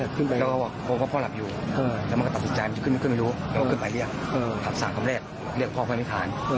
ขอแบบทำสั่งคำแรกเรียกพ่อไม่มีขาร